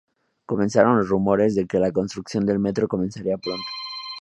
Comenzaron los rumores de que la construcción del Metro comenzaría pronto.